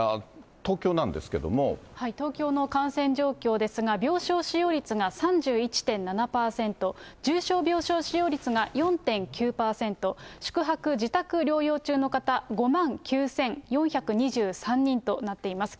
東京の感染状況ですが、病床使用率が３１．７％、重症病床使用率が４．９％、宿泊・自宅療養中の方、５万９４２３人となっています。